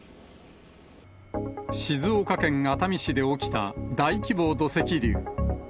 静岡県熱海市で起きた大規模土石流。